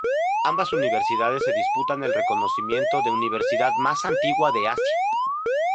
Ambas universidades se disputan el reconocimiento de universidad más antigua de Asia.